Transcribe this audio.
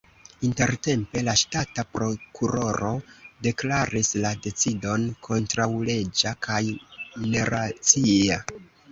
Intertempe la ŝtata prokuroro deklaris la decidon kontraŭleĝa kaj neracia.